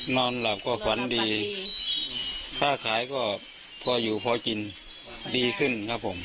นอนหลับก็ฝันดีค่าขายก็พออยู่พอกินดีขึ้นครับผม